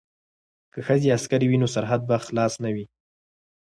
که ښځې عسکرې وي نو سرحد به خلاص نه وي.